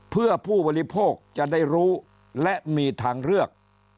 เพื่อผู้บริโภคจะได้รู้และมีทางเลือก